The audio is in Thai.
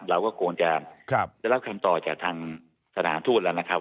เราก็คงจะได้รับคำตอบจากทางสถานทูตแล้วนะครับ